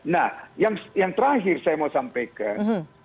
nah yang terakhir saya mau sampaikan